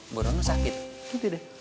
mbok rona sakit gitu deh